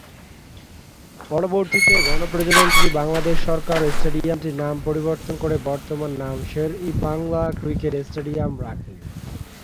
পরবর্তীতে গণপ্রজাতন্ত্রী বাংলাদেশ সরকার স্টেডিয়ামটির নাম পরিবর্তন করে বর্তমান নাম শের-ই-বাংলা ক্রিকেট স্টেডিয়াম রাখে।